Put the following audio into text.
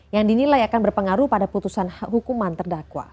yang dinilai akan berpengaruh pada putusan hukuman terdakwa